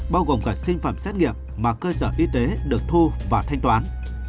bao gồm cả sinh phẩm xét nghiệm mà cơ sở y tế được thu và thanh toán